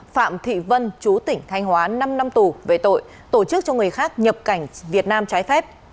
phạm thị vân chú tỉnh thanh hóa năm năm tù về tội tổ chức cho người khác nhập cảnh việt nam trái phép